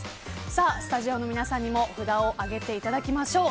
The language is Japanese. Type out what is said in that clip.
スタジオの皆さんにも札を上げていただきましょう。